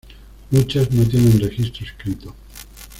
Muchas no tienen registro escrito.